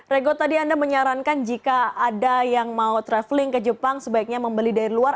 rego tadi anda menyarankan jika ada yang mau traveling ke jepang sebaiknya membeli dari luar